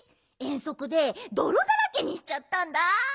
えんそくでどろだらけにしちゃったんだ。